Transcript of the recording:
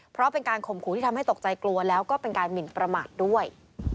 เพราะเป็นการข่มขู่ที่ทำให้ตกใจกลัวแล้วก็เป็นการหมินประมาทด้วย